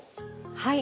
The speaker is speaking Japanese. はい。